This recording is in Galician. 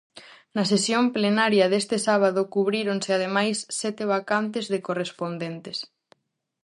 Na sesión plenaria deste sábado cubríronse ademais sete vacantes de correspondentes.